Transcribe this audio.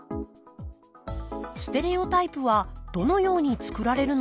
ステレオタイプはどのように作られるのでしょうか？